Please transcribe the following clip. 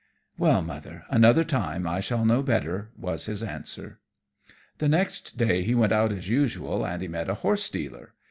"Well, Mother, another time I shall know better," was his answer. The next day he went out as usual, and he met a horse dealer.